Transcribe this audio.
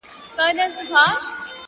نن دې تصوير زما پر ژړا باندې راوښويدی؛